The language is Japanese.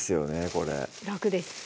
これ楽です